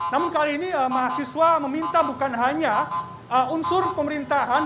namun kali ini mahasiswa meminta bukan hanya unsur pemerintahan